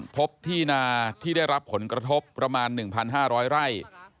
พบที่นาที่ได้รับผลกระทบประมาณ๑๕๐๐ไร่